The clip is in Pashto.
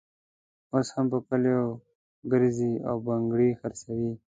اوس هم په کلیو ګرزي او بنګړي خرڅوي.